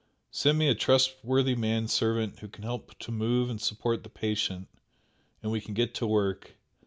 Send me a trustworthy man servant who can help to move and support the patient, and we can get to work.